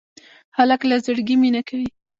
هلک له زړګي مینه کوي.